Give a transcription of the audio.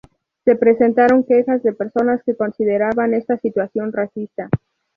Se presentaron quejas de personas que consideraban esta situación racista.